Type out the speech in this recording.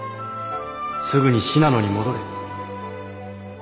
すぐに信濃に戻れ。